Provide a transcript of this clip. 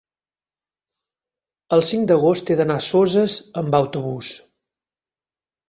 el cinc d'agost he d'anar a Soses amb autobús.